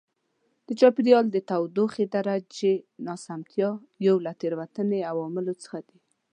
د چاپېریال د تودوخې درجې ناسمتیا یو له تېروتنې عواملو څخه دی.